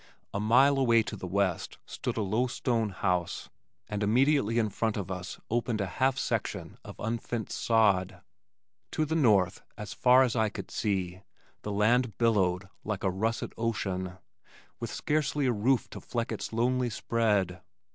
A mile away to the west stood a low stone house and immediately in front of us opened a half section of unfenced sod. To the north, as far as I could see, the land billowed like a russet ocean, with scarcely a roof to fleck its lonely spread.